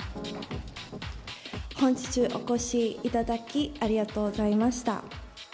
本日はお越しいただき、ありがとうございました。